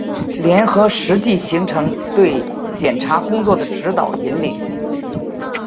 结合实际形成对检察工作的指导、引领